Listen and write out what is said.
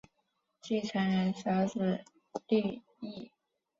继承人是儿子利意。